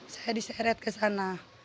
saya diseret ke sana